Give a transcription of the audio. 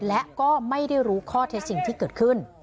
และก็ไม่ได้รู้ข้อเท็จจริงที่เกิดขึ้น